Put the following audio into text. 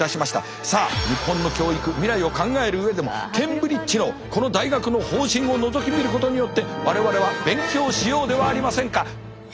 さあ日本の教育未来を考える上でもケンブリッジのこの大学の方針をのぞき見ることによって我々は勉強しようではありませんか。